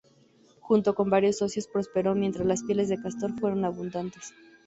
Junto con varios socios, prosperó mientras las pieles de castor fueron abundantes.